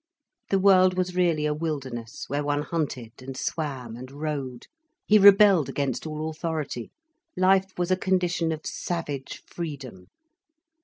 The world was really a wilderness where one hunted and swam and rode. He rebelled against all authority. Life was a condition of savage freedom.